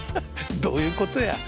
どういうことや。